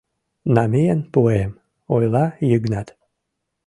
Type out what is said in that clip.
Намиен пуэм, — ойла Йыгнат.